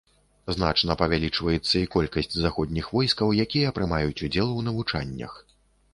Значна павялічваецца і колькасць заходніх войскаў, якія прымаюць удзел у навучаннях.